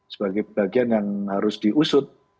sebagai bagian yang harus diusut